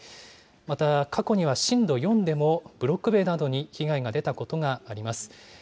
また、過去には震度４でもブロック塀などに被害が出たことがあります。